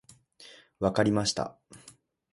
分かりました。